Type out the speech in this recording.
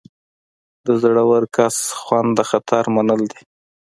د زړور کس خوند د خطر منل دي.